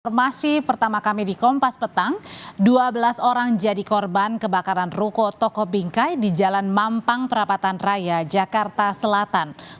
informasi pertama kami di kompas petang dua belas orang jadi korban kebakaran ruko toko bingkai di jalan mampang perapatan raya jakarta selatan